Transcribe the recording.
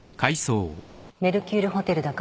メルキュールホテルだから